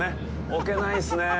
置けないですねぇ。